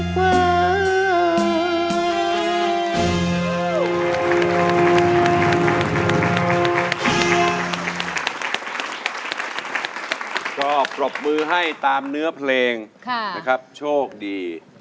ชอบปรบมือให้ตามเนื้อเพลงช่วงดี